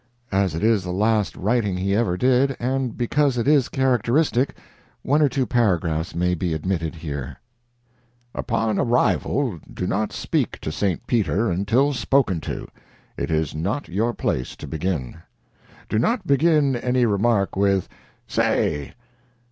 As it is the last writing he ever did, and because it is characteristic, one or two paragraphs may be admitted here: "Upon arrival do not speak to St. Peter until spoken to. It is not your place to begin. "Do not begin any remark with 'Say.'"